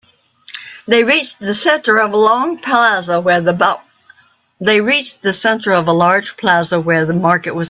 They reached the center of a large plaza where the market was held.